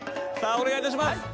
さあお願い致します。